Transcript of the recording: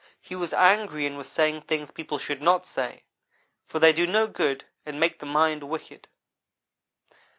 He was angry and was saying things people should not say, for they do no good and make the mind wicked.